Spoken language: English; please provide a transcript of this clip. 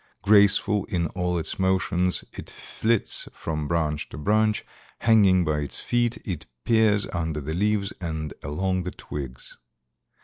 Graceful in all its motions, it flits from branch to branch; hanging by its feet, it peers under the leaves and along the twigs.